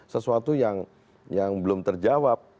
sesuatu yang belum terjawab